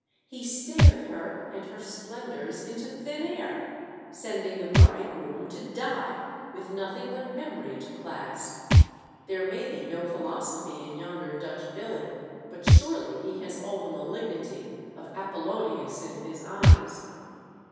He stared her and her splendours into thin air, sending the bride groom to die with nothing but memory to clasp. There may be no philosophy in yonder Dutch villain, but surely he has all the malignity of Apollonius in his eyes."